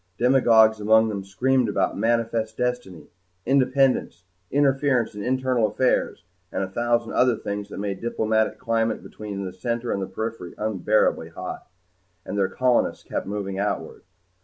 Demagogues among them screamed about manifest destiny, independence, interference in internal affairs, and a thousand other things that made the diplomatic climate between Center and Periphery unbearably hot. And their colonists kept moving outward.